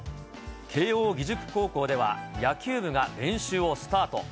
慶応義塾高校では、野球部が練習をスタート。